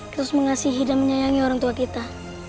terus mengasihi dan menyayangi orang tua kita